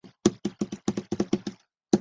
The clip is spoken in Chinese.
蒙希圣埃卢瓦。